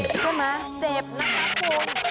ใช่มั้ยเจ็บนะครับคุณ